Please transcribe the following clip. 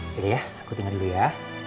gitu ya aku tinggal dulu ya